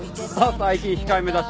最近控えめだし。